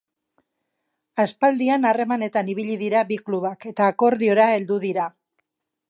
Aspaldian harremanetan ibili dira bi klubak eta akordiora heldu dira.